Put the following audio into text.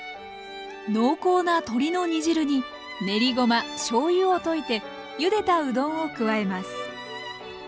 濃厚な鶏の煮汁に練りごましょうゆを溶いてゆでたうどんを加えます。